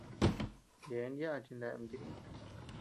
Yeabean yaʼa chineabea ama tilï.